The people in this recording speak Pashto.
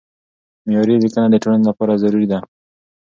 معیاري لیکنه د ټولنې لپاره ضروري ده.